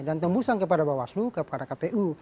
dan tembusan kepada bawaslu kepada kpu